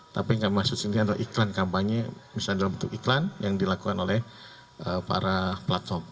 tapi yang kami maksud sendiri adalah iklan kampanye misalnya dalam bentuk iklan yang dilakukan oleh para platform